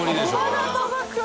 まだ届く